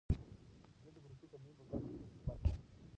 زه د ګروپي تمرین په برخه کې برخه اخلم.